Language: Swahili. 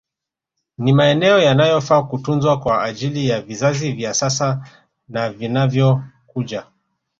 Ni maeneo yanayofaa kutunzwa kwa ajili ya vizazi vya sasa na vinavyokuja